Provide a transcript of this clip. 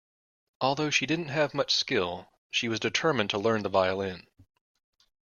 Although she didn't have much skill, she was determined to learn the violin.